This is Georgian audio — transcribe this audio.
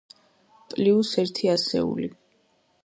პლიუს ერთი ასეული.